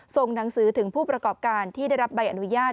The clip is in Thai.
ส่งหนังสือถึงผู้ประกอบการที่ได้รับใบอนุญาต